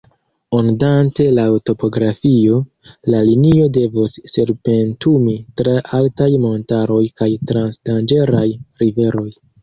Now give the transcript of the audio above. Ondante laŭ topografio, la linio devos serpentumi tra altaj montaroj kaj trans danĝeraj riveroj.